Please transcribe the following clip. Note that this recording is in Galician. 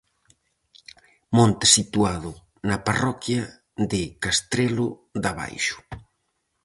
Monte situado na parroquia de Castrelo de Abaixo.